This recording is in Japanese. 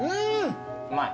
うまい？